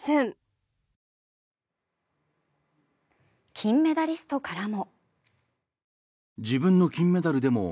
金メダリストからも。